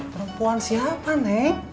perempuan siapa neng